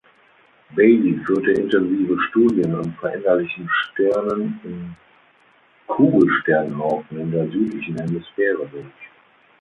Bailey führte intensive Studien an veränderlichen Sternen in Kugelsternhaufen in der südlichen Hemisphäre durch.